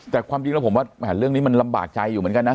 แต่ความจริงแล้วผมว่าเรื่องนี้มันลำบากใจอยู่เหมือนกันนะ